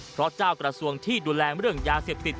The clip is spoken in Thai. เพราะเจ้ากระทรวงที่ดูแลเรื่องยาเสพติด